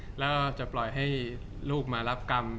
จากความไม่เข้าจันทร์ของผู้ใหญ่ของพ่อกับแม่